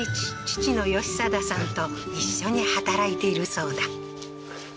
父の義定さんと一緒に働いているそうだ